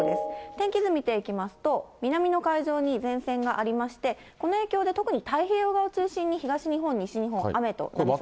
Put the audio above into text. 天気図見ていきますと、南の海上に前線がありまして、この影響で特に太平洋側を中心に東日本、西日本、雨となりそうです。